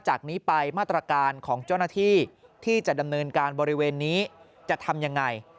จากนี้ไปมาตรการของเจ้าหน้าที่ที่จะดำเนินการบริเวณนี้จะทำยังไง